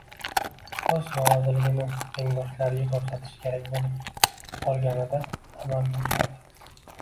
o‘z noroziligini tengdoshlariga ko‘rsatish kerak bo‘lib qolganida amalga oshadi.